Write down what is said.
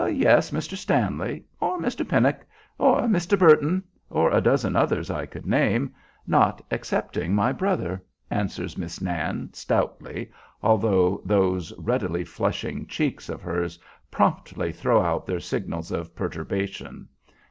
"Yes, Mr. Stanley, or Mr. Pennock, or Mr. Burton, or a dozen others I could name, not excepting my brother," answers Miss Nan, stoutly, although those readily flushing cheeks of hers promptly throw out their signals of perturbation.